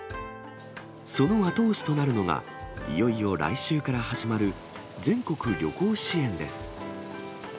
その後押しとなるのが、いよいよ来週から始まる、全国旅行支援です。